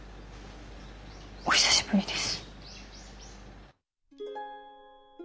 お久しぶりです。